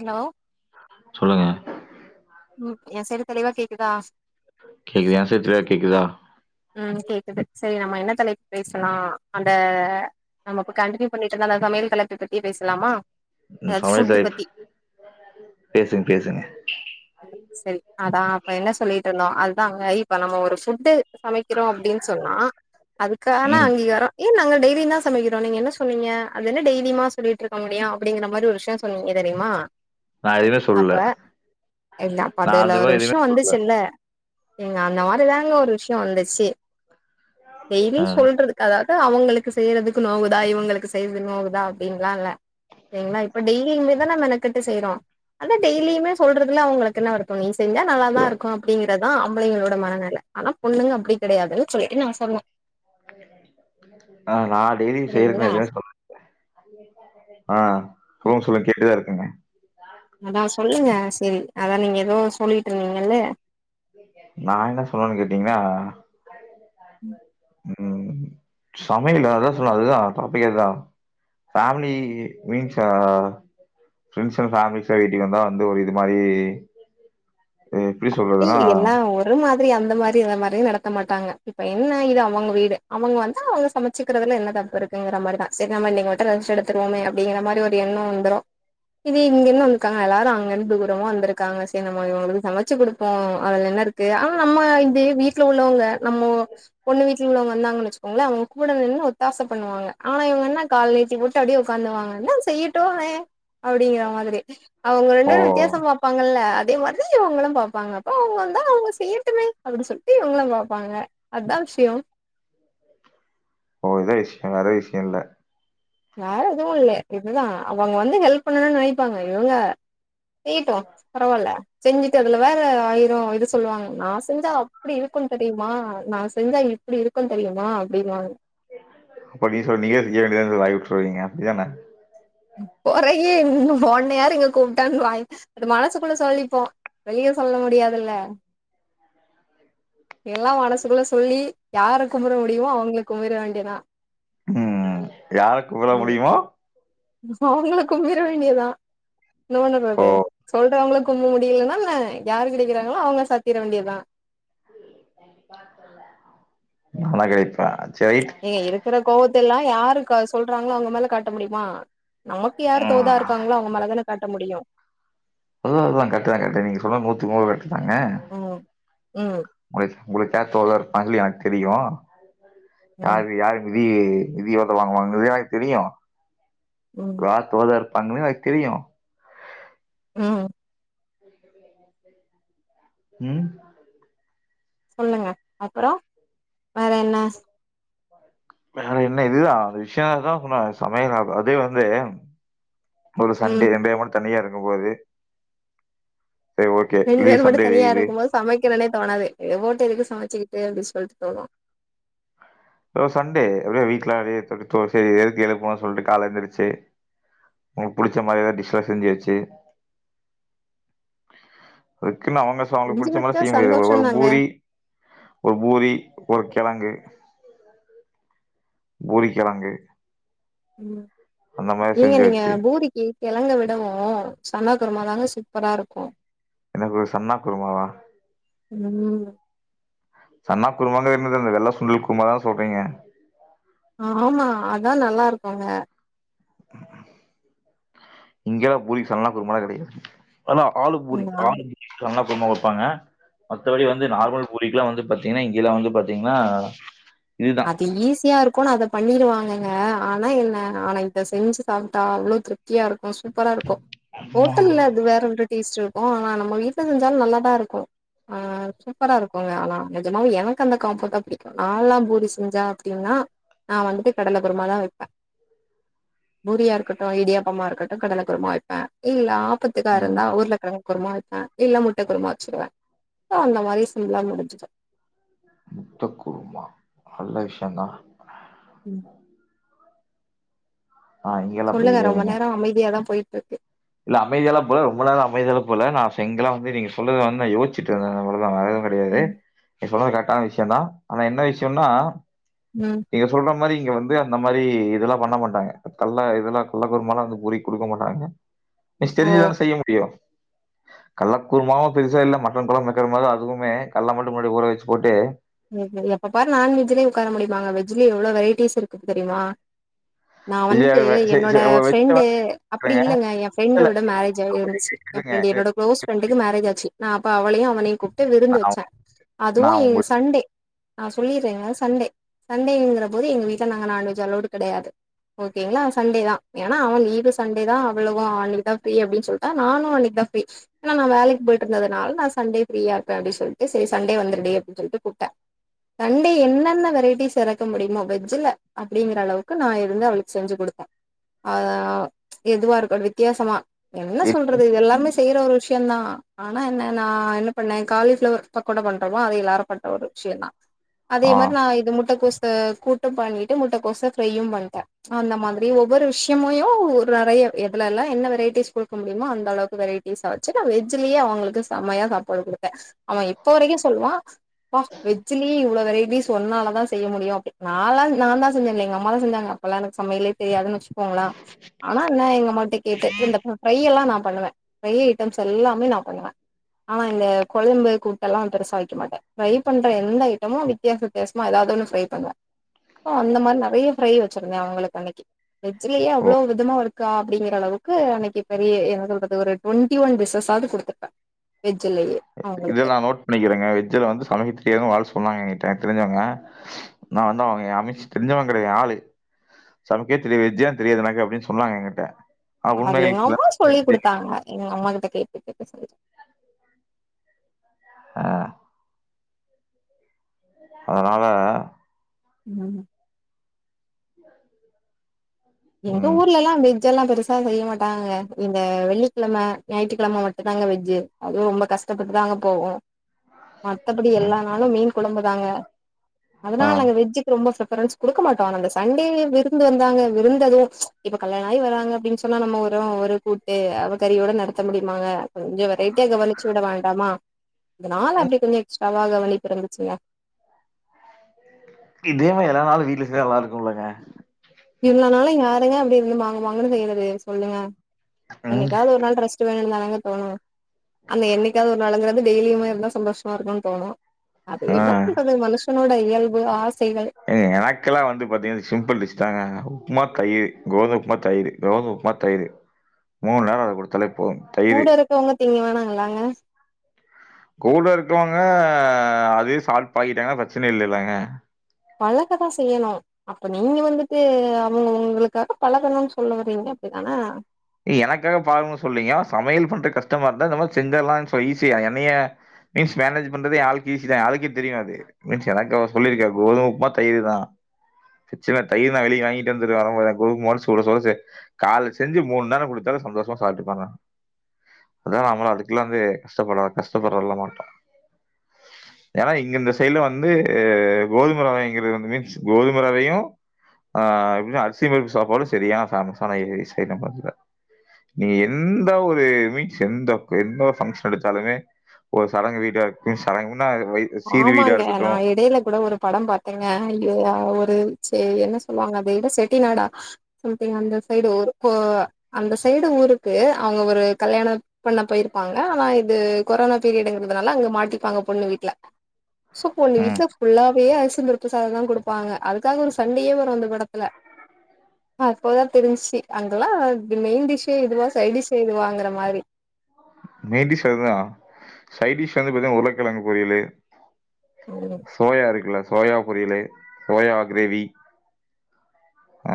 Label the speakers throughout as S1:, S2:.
S1: Hello
S2: சொல்லுங்க
S1: ம் எ சைடு தெளிவா கேக்குதா
S2: கேக்குது என் சைடு தெளிவா கேக்குதா
S1: ம் கேக்குது சரி நம்ம என்ன தலைப் பேசலா அந்த நம்ம இப்ப கண்டினியூ பண்ணிட் இருந்த அந்த சமையல் தலைப்ப பத்தி பேசலாமா
S2: ம்
S1: எதாவது
S2: சமையல்
S1: ஃபுட்
S2: தலைப்
S1: பத்தி
S2: பேசுங்க பேசுங்க
S1: சரி அதா அப்ப என்ன சொல்லி இருந்தோ அதுதா அங்க ஆய் இப்ப நம்ம ஒரு ஃபுட்டு சமக்கிறோ அப்டின்னு சொன்னா அதுக்ககான
S2: ம்
S1: அங்கீகாரோ ஏன் நாங்க டெய்லி தா சமக்கிறோ நீ என்ன சொன்னீங்க அது என்ன டெய்லியுமா சொல்லிட்ருக்க முடியு அப்படிங்கிற மாரி ஒரு விஷய சொன்னீங்க தெரியுமா
S2: நான் எதுவுமே
S1: அப்ப
S2: சொல்லல
S1: இல்ல
S2: நான்
S1: அப்பதுல
S2: அந்த
S1: ஒரு
S2: மாரி எதுவுமே
S1: விஷய
S2: சொல்லல
S1: வந்துச்சுல்ல ஏங்க அந்த மாரிதாங்க ஒரு விஷ் யோ வந்துச்சு டெய்லி
S2: ஆ
S1: சொல்றதுக் அதாவது அவுங்ளுக்கு செய்றதுக்கு நோவுதா இவங்ளுக்கு செய்றது நோவுதா அப்டின்லா இல்ல செரிங்ளா இப்ப டெய்லியுமேதான மெனகட்டு தான செய்ரோ டெய்லியுமே சொல்றதுல அவங்ளுக் எனா வருத்தோ நீ செஞ்சா நல்லாத தா இருக்கு அப்படிங் அதுதா அம்பளங்களோட மனநில ஆனா பொண்ணுங்க அப்டி கெடையாதுனு சொல்லிட்டு நா சொல்வோ
S2: ஆ நா டெய்லியு செய்யறக்கு
S1: சரிங்களா
S2: எதுமே சொல்லல ஆ சொல்லுங்க சொல்லுங்க கேட்டுதா இருக்கங்க
S1: அதாஸ் சொல்லுங்க செரி அதா நீங்க ஏதோ சொல்லிட் இருந்தீங்கல
S2: நா என்ன சொல்லணு கேட்டீங்கனா
S1: ம்
S2: உம் சமையல் அதா சொல்ல அதுதா டாபிக் அதுதா ஃபேமிலி மீன்ஸ் பிரண்ட்ஸ் அண்ட் பேமிலிஸ்ல வீட்டுக்கு வந்தா வந்து ஒரு இது ம
S1: அப்டி எல்லா ஒரு மாரி அந்த மாரி இதமாரி நடத் மாட்டாங்க இப்ப என்ன இது அவுங்க வீடு அவுங்க வந்து அவுங்க சமச்சிக்கிறதுல என்ன தப்பு இருக்குங்கிற மாரி தா செர் நாம இன்னக்கி மட்டு ரெஸ்ட் எடுத்துவோமே அப்படிங்ற மாரி ஒரு எண்ண வந்து இது இங்கந்து வந்துக்காங்க எல்லாரு அங்க இருந்து தூரமா வந்திருக்காங்க ச நாம இவங்களுக்கு சமைச் ச்சு கொடுப்போ அதுல என்ன இருக்கு ஆனா நம்ம இ வீட்டுல உள்ளவங்க நம்ம பொண்ணு வீடல உள்ளவங்க வந்தாங்கன்னு வச்சுக்கோங்களே அவங்க கூடின்னு ஒத்தாச பண்ணுவாங்க ஆனா இவங்க என்ன கால்நேத்து போட்டு அப்டியே உட்காந்துவாங்கன செய்யட்டுமே அப்டிங்ற மாரி அவுங்க ரெண்டு
S2: ஓ
S1: பேரு வித்தியாச பாப்பாங்கல்ல அதே மாரிதா இவுங்களு பாபாங்க அப்ப அவுங்க வந்தா அவுங்க செய்யட்டுமே அப்டி சொல்ட்டு இவுங்களு பாப்பாங்க அதா விஷய
S2: ஓ இத விஷ்ய வேற விஷ்ய இல்ல
S1: யார் எதுவுல்லே இதுதா அவுங்க வந்து ஹெல்ப் பண்ணுனு நினைப்பாங்க இவுங்க செய்ட்டு பரவால செஞ்சுட்டு அதுல வேற ஆயிர இது சொல்வாங்க நா செஞ்சா அப்டி இருக்கு தெரியுமா நா செஞ்சா இப்டி இருக்கு தெரியுமா அப்டினுவாங்க
S2: அப்ப நீ சொல் நீங்ளே திங்க வேண்டிதான வாய் விட்டுருவீங்க அப்டிதான
S1: கொறையே இன்னு ஒன்ன யார் இங்க கூப்ட்டானு வாய் மனசுக்குள்ள சொல்லிப்போ வெளிய சொல்ல முடியாதுல எல்லா மனசுக்குள்ள சொல்லி யாரா கும்முற முடியுமோ அவுங்கள கும்மிற வேண்டிதா
S2: ம்ம் யார குமுற முடியுமோ
S1: அவுங்கள கும்மிர வேண்டியதா னோண்ணு
S2: ஓ
S1: வருது சொல்ற அவங்களுக்கு கும்ப முடியலனா இல்ல யாரு கெடைக்கிறாங்களோ அவங்க சாத்திட வேண்டியதுதா
S2: நாலா கேப்பே அ
S1: ஏ இருக்கற கோவத் தெல்லா யாரு க சொல்றாங்ளோ அவுங்க மேல காட்ட முடியுமா நமக்கு யார் தோதா
S2: ம்
S1: இருக்காங்ளோ அவுங்க மேலதானக் காட்ட முடியூ
S2: அது அதுதா கட்டு தா கட்டு நீங்க சொன்னது நூத்திக்நூறு கர்ட்டு தாங்க
S1: ம் ம்
S2: உங்களுக்குக்கேத்தவளா இருப்பாங்லூ எனக்கு தெரியூ
S1: ம்
S2: யாரு யாருனு தி நிதி எவ்ளோ வாங்குவாங்கறது எனக்கு தெரியூ
S1: ம்
S2: ராத் வதர் அங்கவ எனக் தெரியூ
S1: ம்
S2: ம்
S1: சொல்லுங்க அப்றோ வேறென்ன
S2: வேறென்ன இதுதா அந்த விஷ்ய தா சொன்னாங்க சமையதா அதே வந்து ஒரு
S1: ம்
S2: சண்டே சண்டே மன்த் தனியா இருக்கும்போது
S1: ரெண்டு பேரு மட்டூ தனியா இருக்கும் போது சமைக்கணூனே தோணாது போட்டூ எதுக் சமச்சிக்கிட்டு அப்டின் ஸ் சொல்ட்டு தோணூ
S2: ப்றோ சண்டே வெ வீட்லாவெ [unintelligible] செரி எதுக் எழுப்பணூனு சொல்லிட்டு கால எழுந்துருச்சு உங்ளுக்கு புடிச்ச மாரி எதா டிஷ்லா செஞ்சு வச்சு குன் அவுங்க அவுங்களுக்கு
S1: செஞ்சு
S2: படிச்ச மாரி
S1: வச்சா
S2: செய்ய முடியாது ஒரு
S1: சந்தோஷந்தாங்க
S2: பூரி ஒரு பூரி ஒரு கெழங்கு பூரிக்கெழங்கு
S1: ம் நீங்க நீங்க பூரிக்கு கெழங்க விடவூ சன்னா குருமாதாங்க சூப்பரா இருக்கூ
S2: எனக்கு ஒரு சன்னா குருமாவா
S1: ம்
S2: சன்னா குருமாங்கறது என்னது வெள்ள சுண்டல் குருமாதா சொல்றீங்க
S1: ஆமா அதா நல்லாருக்கூங்க
S2: இங்கெல்லா பூரிக் சன்னா குருமாலா கெடைக்காது ஆனா ஆலூபூரி
S1: நா
S2: ஆலூ சன்னாப் குர்மா குப்பாங்க மத்தபடி வந்து நார்மல் பூரிக்குல்லா வந்து பாத்தீங்னா இங்கேல்ல வந்து பாத்தீங்னா
S1: அது ஈஸியா இருக்கூனு அத பண்ணிருவாங்கங்க ஆனா என்ன ஆனா இத செஞ்சு சாப்ட்டா அவ்ளோ திருப்தியாருக் கூ சூப்பராருக்கூ
S2: அம்மா
S1: ஹோட்டல்ல அது வேற ஒரு டேஸ்ட்டு ஓ நா நம்ம வீட்லே செஞ்சாலு நல்லாதா இருக்கோ ஆ சூப்பரா இருக்கோங்கே ஆனா நெஜமாவே எனக்கு அந்த காம்போத்தா புடிக்கோ ஆலா பூரி செஞ்சா அப்டினா நா வந்துட்டு கடலக்குருமாதா வெப்பே பூரியா இருக்கட்டூ இடியாப்பம்மா இருக்கட்டூ கடலக்குருமா வெப்பே இல்லே புத்துக்கா
S2: ம்
S1: இருந்தா உர்ளகெழங் குருமா வெப்பே இல்லே முட்ட குருமா வெச்சுருவே சோ அந்த மாரி சிம்புளா முடிஞ்சுறோ
S2: முட்ட குருமா நல்லே விஷ்யுந்தா
S1: ம்
S2: ஆனா இங்கெல்லா
S1: சொல்லுகே ரொம்போ நேரோ அமைதியாதா போயி ஓகே
S2: இல்லே அமைதியாலா போல ரொம்போ நேரோ அமைதியாலா போல நா சிங்கிளா வந்து நீங்கே சொல்றத வந்து நா யோஸ்ச்சிட்டுருந்தே [unintelligible]
S1: ம்
S2: [unintelligible] நீ சொன்னது காரெட் தா விஷ்யோந்தா ஆனா என்னே விஷ்யோனா
S1: ம்
S2: நீங்கே சொல்றம் மாரி இங்கே வந்து அந்த மாரி இதுலா பண்ணே மாட்டாங்கே கல்லே இதுலா கல்ல [unintelligible] வந்து பொரிக் குடுக்கே மாட்டாங்கே நெக்ஸ்ட்
S1: ஓ
S2: தெரிஞ்சுதானே செய்யே முடியு கல்லக் குருமாவு பெருசா இல்ல மட்டன் கொழம்பு வக்கிற மாரிதா அதுவுமே கல்ல மட்டு முன்னாடி ஊற வச்சி போட்டு
S1: சேரி சேரி எப்ப பாரு நான்வெஜ்லே உட்கார முடியுமாங்க, வெஜ்ஜிலேயே எவ்ளோ வெரைட்டிஸ் இருக்கு தெரியுமா நா
S2: விஜய்
S1: வன்ட்டு
S2: வ- சரி,
S1: என்னோட
S2: சரி, அவ வச்ச
S1: ஃப்ரெண்டு
S2: வாரம்
S1: அப்டி
S2: கேக்குறேங்க.
S1: இல்லைங்க என்
S2: இல்ல இல்ல,
S1: ஃப்ரெண்டோட மேரேஜ் ஆயி
S2: நான் ஒரு
S1: இருந்துச்சு என்
S2: கேக்குறேங்க.
S1: ஃப்ரெண்ட்
S2: இது
S1: என்னோட குளோஸ் ஃப்ரெண்டுக்கு மேரேஜ் ஆச்சு நா அப்ப அவளையு அவனையு கூப்ட்டு விருந்து வச்சே அதுவு
S2: நான்
S1: ஏ
S2: உங்க
S1: சண்டே நா சொல்லிட்றேங்க சண் டே சண்டேங்கிற போது எங்க வீட்ல நாங்க நான்வெஜ் அலோடு கிடையாது ஓகேங்கலா சண்டே தா என்னனா அவ லீவு சண்டே தா, அவளுவு அன்னக்கிதா ஃப்ரி அப்டினு சொல்லிட்டா நானு அன்னைக்கிதா ஃப்ரி என்னா நா வேலைக்கு போயிட்டு இருந்தனால நா சண்டே ப்ஃரீயா இருப்பே அப்டின்னு சொல்லிட்டு சேரி சண்டே வந்துருடி அப்டின்னு சொல்லிட்டு கூப்டே சண்டே என்னென்ன வெரைட்டிஸ் எறக்க முடியுமோ வெஜ்ஜில அப்டிங்கிற அளவுக்கு நா இருந்து அவளுக்கு செஞ்சு குடுத்தே ஆ எதுவா இருக்க வித்தியாசமா என்ன சொல்றது இது எல்லாமே செய்யற ஒரு விஷ்யம்தா ஆனா என்ன நா என்ன பண்ணே காலிஃப்ளவர் பக்கோடா பண்றோமோ அது எல்லாரு பண் ற ஒரு விஷ்யம்ந்தா அதே மாரி நா இது முட்டக்கோஸ் ச கூட்டு பண்ணிட்டு முட்டைக்கோச ஃப்ரையு பண்ணிட்டே அந்த மாதிரி ஒவ்வொரு விஷயமையு ஒரு நறைய எதுலல்லா என்ன வெரைட்டிஸ் குடுக்க முடியுமோ அந்த அளவுக்கு வெரைட்டிஸா வச்சு நா வெஜ்லயே அவங்களுக்கு செம்மையா சாப்பாடு குடுத்தே அவ இப்ப வரைக்கு சொல்லுவா எப்பா வெஜ்லேயே இவ்ளோ வெரைட்டிஸ் ஒன்னால தா செய்ய முடியும் அப்டி நான்லா நாந்தா செஞ்சேன்னு இல்ல எங்க அம்மா தா செஞ்சாங்க அப்ப எல்லா எனக்கு சமையலே தொரியாதுன்னு வச்சு கோங்கள ஆனா என்ன எங்க அம்மாட்ட கேட்டுட்டு இருந்த ஃப்ரையலா எல்லா நா பண்ணுவே ப்ஃரை ஐட்டம்ஸ் எல்லாமே நா பண்ணுவே ஆனா இந்த கொழம்பு கூட்டெல்லா பெருசா வைக்க மாட்டே ஃப்ரை பண்ணுற எந்த ஐட்டமு வித்தியாச வித்தியாசமா எதாவது ஒன்னு ஃப்ரை பண்ணுவே சோ அந்த மாரி நறைய ஃப்ரை வச்சுருந்தே அவங்களுக்கு அன்னைக்கி வெஜ்ஜிலயே
S2: ஆ.
S1: அவ்ளோ விதமா இருக்கா அப்டிங்கிற அளவுக்கு க்கு அன்னைக்கி பெரிய என்ன சொல்றது ஒரு டுவெண்டி ஒன் டிசஸ்ஸாவது குடுத்துருப்பே வெஜ்லயே அவங்களுக்கு
S2: இத நா நோட் பண்ணிக்கறங்க வெஜ்ஜில வந்து சமைக்க தெரியாதுன்னு ஒரு ஆள் சொன்னாங்க என்கிட்ட தெரிஞ்சவங்க நா வந்து அவங்க அம்ச்சி தெரிஞ்சவங்க கடையாது எ ஆளு சமைக்கே தெரியா வெஜ்லா தெரியாது எனக்கு அப்டின்னு சொன்னாங்க என்கிட்ட ஆனா
S1: அது எங்க
S2: உண்மைகள் சில
S1: அம்மா சொல்லி குடுத்தாங்க எங்க அம்மாக்கு [unintelligible]
S2: ஆ அதனால
S1: உம் எங்க
S2: ம்,
S1: ஊர்லல்லா வெக் வெஜ் எல்லா பெருசா செய்ய மாட்டாங்க இந்த வெள்ளிக்கெழம ஞாயிற்று கெழம மட்டு தாங்க வெஜ்ஜு அதுவு ரொம்ப கஷ்டப்பட்டு தா அங்க போவோ மத்தபடி
S2: ம்,
S1: எல்லா நாளு மீன் குழம்புதாங்க
S2: ஆ.
S1: அதனால நாங்க வெஜ்ஜுக்கு ரொம்ப ச ப்ரண்ஸ் கொடுக்க மாட்டோ அந்த சண்டே விருந்து வந்தாங்க இருந்தது இப்ப கல்யாண ஆகி வராங்க அப்டின்னு சொன்னா நம்ம ஒரு ஒரு கூட்டு அவகரியோட நடத்த முடியுமாங்க கொஞ்ச வெரைட்டியா கவனிச்சு விட வேண்டாமா இதனால
S2: ம்.
S1: அப்டி கொஞ்ச எக்ஸ் பககவனிப்பிரிந்துச்ன்னா
S2: இதேமா எல்லா நாலு வீட்ல செய்ச நல்லா இருக்கும்லங்க
S1: இல்லனாலு யாருங்க அப்டி இருந்து மாங்கு மாங்குன்னு செய்யறது சொல்லுங்க
S2: ம்.
S1: என்னைக்காவது ஒரு நாள் ரெஸ்ட்டு வேணு தான ங்க தோணு அந்த என்னைக்காவது ஒரு நாளுங்கறது டெய்லியுமே இருந்தா சந்தோஷமா இருக்குனு தோணு அது
S2: ஆ.
S1: என்னா பண்றது மனுஷனோட இ இயல்பு ஆஸ்த்
S2: ஏங்க எனக்கெல்லா வந்து பாத்தீங்க சிம்பிள் டிஷ் தாங்க உ உப்மா தயிர் கோதும உப்மா தயிரு கோதும உப்மா தயிரு மூணு நேர அத கொடுத்தாலே
S1: கூட இருக்கவங்க திங்க வேணாங்களாங்க
S2: கூட இருக்கவங்க அதே சாப்ட் பழகிட்டாங்கன்னா பிரச்சன இல்லல்லாங்க
S1: பழகதா செய்யணு அப்ப நீங்க வந்துட்டு அவங்க உங்களுக்காக பழகனு சொல்ல வறிங்க அப்டித்தான
S2: எனக்காக பழகணு சொல்லிங்க சமையல் பண்றக்கு கஷ்டமா இருந்தா செஞ்சர்லா ஈசி என்னைய மீன்ஸ் மேனேஜ் பண்றது எ ஆளுக்கு ஈசி தா தெரியாது மீன்ஸ் எனக்கு அவ சொல்லிருக்கா கோதும உப்மா தயிர் தா பிரச்சன தயிர் நா வெளிய வாங்கிட்டு வந்துருவ வரும்போதே கோதும சுட சுட கால செஞ்சு மூணு நேர குடுத்தாலு சந்தோஷமா சாப்ட்டுப்பங்க அத நமளு அதுக்கெல்லா வந்து கஷ்டப்பட கஷ்டப்படுற மாட்டோ ஏன்னா இங்க சைட்ல வந்து கோதும ரவைங்கிறது மீன்ஸ் கோதும ரவையு ஆ எப் அரிசி பருப்பு சாப்பாடு சேரியான [unintelligible] நீ எந்த ஒரு மீன்ஸ் எந்த எந்த பங்க்ஷன் எடுத்தாலுமே ஒரு சடங்கு வீட்டா இருக்கட்டு சடங்கு
S1: ஆமாங்க நா எடைல கூட ஒரு படம் பாத்தங்க ஐயோ வ ஒரு சேரி என்ன சொல்லுவாங்க அத விட செட்டிநாடா சம்திங் அந்த சைடு ஊருக்கு அந்த சைடு ஊருக்கு அங்க ஒரு கல்யாண பண்ண போயிருப்பாங்க ஆனா இது கொரோனா பீரியடுங்கிறதுனால அங்க மாட்டிப்பாங்க பொண்ணு வீட்ல சோ பொண்ணு
S2: ம்.
S1: வீட்ல ஃபுல்லாவே அஸ் த்து பருப்பு சாதந்தா கொடுப்பாங்க அதுக்காக ஒரு சண்டையே வரு அந்த [unintelligible] தல அப்போதா தெரிஞ்ச்சி அங்கெல்லா மெயின் டிஷ் இதுவா சைட் டிஷ் இதுவாங்கற மாரி
S2: மெயின்டிஷ் அதுதா சைடிஷ் வந்து பாத்தீன்னா உருளக்கெழங்கு பொரியலு
S1: ம்
S2: சோயா இருக்குல்ல சோயா புரியலை சோயா கிரேவி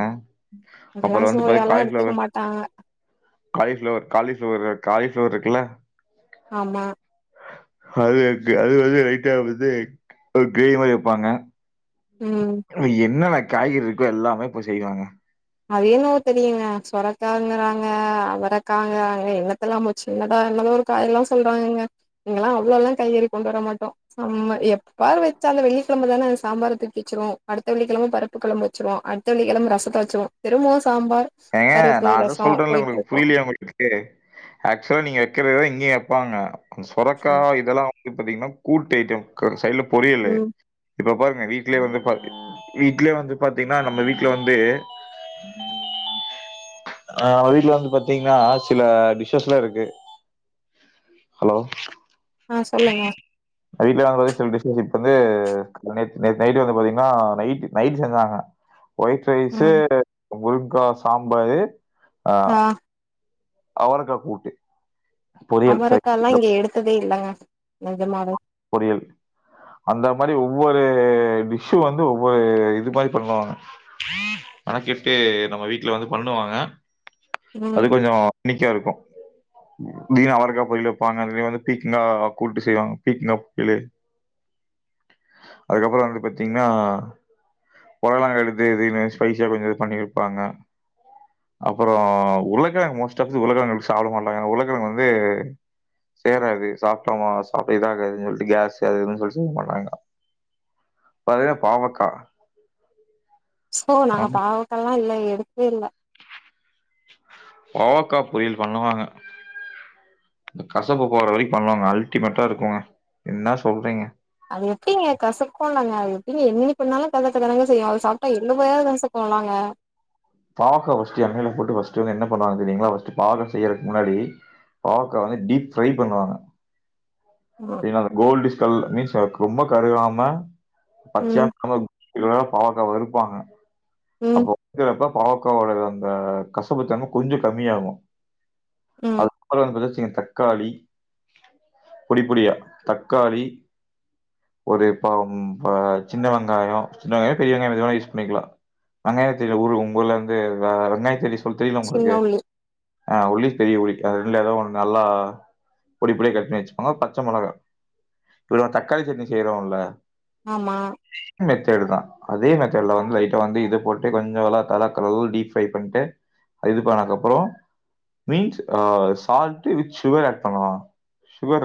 S2: ஆஹ்
S1: அதெல்லா சோயாலா எடுத்துக்க மாட்டாங்க
S2: காலிஃப்ளவர் காலிஃப்ளவர் உ காலிஃபிளவர் இருக்குல்ல
S1: ஆமா
S2: அது அது வந்து லைட்டா வந்து ஒரு க்ரேவி மாரி வெப்பாங்க
S1: ம்
S2: என்னன காய்கறி இருக்கூ எல்லாமே இப்ப செய்வாங்க
S1: அதுயேனோ தெரில சொரக்காங்குறாங்க அவரக்காங்குறாங்க என்னத்தெல்லாமோ சின்னதா என்னமோ ஒரு காயல்லா சொல்றாங்கங்க இங்கெல்லா அவ்வளோல்லா காய்கறி கொண்டு வர மாட்டோ எப்பா வச்சு அந்த வெள்ளிக்கெழமதானே அந்த சாம்பார் தூக்கி வச்சுரூ அடுத்த வெள்ளிக்கெழம பருப்பு கொழம்பு வச்சுருவோ அடுத்த வெள்ளிகெழம ரசத்த வச்சுருவோ தெரூ மோஸ்
S2: ஏங்க நா தா சொல்றேல்ல உங்களுக்கு
S1: போயிட்ருக்கு
S2: புரியலையா உங்களுக்கு ஆக்சுவ்லா நீங்க வெக்கிறதுதா இங்க வாங்க சொரக்கா இதெல்லா வந்துப் பாத்தீங்னா கூட்டு ஐட்டம் சைடுலப் பொரியலு
S1: ம்
S2: இப்பப்ப அ வீட்லே வந்து பாத் வீட்லியே வந்து பாத்தீங்னா நம்ம வீட்ல வந்து அ வீட்ல வந்து பாத்தீங்னா சில டிஷஸ்லா இருக்கு ஹலோ
S1: ஆ சொல்லுங்க
S2: நைட்ல நாங்க சில டிஷஸ் இப்ப வந்து நேத் நைட் வந்து பாத்தீங்னா நைட் நைட் செஞ்சாங்க வைட் ரைஸு
S1: ம்
S2: [unintelligible] க சாம்பாரு ஆ அவரக்கா கூட்டு பொரியல். சரி,
S1: அவரக்கல்லா
S2: இந்த
S1: இங்க எடுத்ததேல்லங்க நெஜமாவே
S2: பொரியல் அந்த மாரி ஒவ்வொரு டிஷ்ஷு வந்து ஒவ்வொரு இது மாரி பண்ணுவாங்க மெனக்கிட்டு நம்ம வீட்ல வந்து பண்ணுவாங்க
S1: ம்
S2: அது கொஞ்சோ னிக்காருக்கூ திடீனு அவரக்கா பொரியல் வெப்பாங்க வந்து பீக்கங்கா கூட்டு செய்வாங்க பீக்கங்கா பொயலு அதுக்கப்றோ வந்து பாத்தீங்னா பொடலங்கா எடுத்து எதயுமே ஸ்பைசியா கொஞ்சோ இது பண்ணி வப்பாங்க அப்றோ உளகெழங்க மோஸ்ட் ஆஃப் உளகெழங்கு சாப்ட மாட்டாங்க உளகெழெங்கு வந்து சேராது சாப்டேமா சா இதாகாதுன்னு சொல்லிட்டு கேஸ் அதுதுன்னு சொல்லி செய்ய மாட்டாங்க பாத்தீங்னா பாவக்கா
S1: ஸோ நாங்க
S2: ம்
S1: பாவக்காலா ஆ இல்லல்ல எடுக்கேல்ல
S2: பாவக்கா பொரியல் பண்ணுவாங்க அந்த கசப்பு போற வரிக்கூ பண்ணுவாங்க அல்டிமேட்டா இருக்கூங்க என்னா சொல்றீங்க
S1: அது எப்டிங்க கசக்கோந்தாங்க அது எப்டிங்க என்ன பண்ணாலூ கசக்க தானங்க செய்யூ அத சாப்ட்டா எப [unintelligible] பண்லாங்க
S2: பாவக்கா ஃபஸ்ட்டு எண்ணையில போட்டு ஃபஸ்ட்டு வந்து என்ன பண்ணுவாங்க தெரியுங்களா ஃபஸ்ட் பாவக்கா செய்யறதுக்கு முன்னாடி பாவக்கா வந்து டீப் ஃப்ரை பண்ணுவாங்க
S1: ம்
S2: என கோல்டிஷ் சொல் மீன்ஸ் அதுக் ரொம்ப கருகாம பச்சியா
S1: ம்
S2: கரு இதுவே பாவக்கா வருப்பாங்க
S1: ம்
S2: அப்போ பூக் ரப்போ பாவக்காவோட அந்த கசப்புதன்ம கொஞ்சோ கம்மியாகோ
S1: ம்
S2: அது அப்றோ [unintelligible] சேத்து தக்காளி பொடி பொடியா தக்காளி ஒரே பழம் ஆஹ் சின்ன வெங்காய சின்ன வெங்காய பெரிய வெங்காய எது வேணா யூஸ் பண்ணிக்கல வெங்காயத்த உங்க ஊல உங்க ஊருல இருந்து வெ வெங்காய செடி உங் தெரியுமா உங்களுக்கு
S1: சின்ன உள்ளி
S2: ஆ ஒளி பெரிய ஒளி அது ரெண்டுல எதோ ஒண்ணு நல்லா பொடி பொடியா கட் பணணி வச்சுக்கோனு பச்ச மொளகா தக்காளி சட்னி செய்றோமில்ல
S1: ஆமா
S2: மெத்தேடுதான் அதே மெத்தட்ல வந்து லைட்டா வந்து இது போட்டு கொஞ்ச நல்லா கழுவ [unintelligible] டீப் ஃப்ரை பண்ட்டு இது பண்ணதுக்கப்புறம் மீன்ஸ் அ சால்ட வித் சுகர் ஆட் பண்ணனோ சுகர்